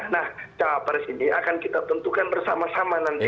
nah cawapres ini akan kita tentukan bersama sama nanti